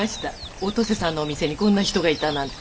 お登世さんのお店にこんな人がいたなんて。